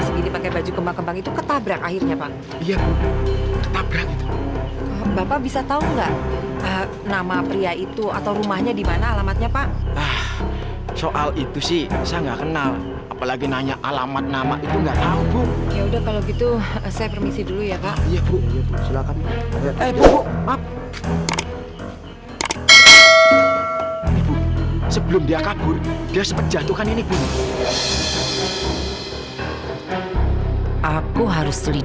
sampai jumpa di video selanjutnya